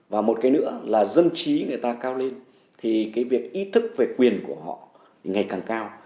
và một cái nữa là dân trí người ta cao lên thì cái việc ý thức về quyền của họ ngày càng cao